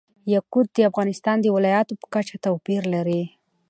یاقوت د افغانستان د ولایاتو په کچه توپیر لري.